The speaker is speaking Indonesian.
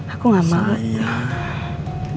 aku gak mau